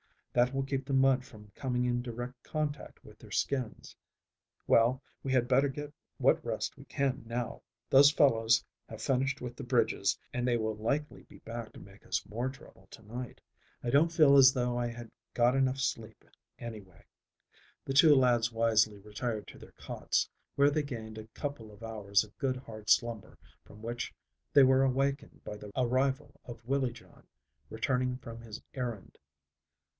That will keep the mud from coming in direct contact with their skins. Well, we had better get what rest we can now. Those fellows have finished with the bridges and they will likely be back to make us more trouble to night. I don't feel as though I had got enough sleep anyway." The two lads wisely retired to their cots, where they gained a couple of hours of good hard slumber from which they were awakened by the arrival of Willie John returning from his errand.